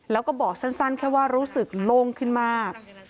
แล้วก็บอกสั้นแค่ว่ารู้สึกโล่งขึ้นมาก